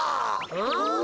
うん？